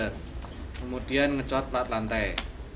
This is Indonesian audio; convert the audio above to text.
kemudian ngecot plat lantai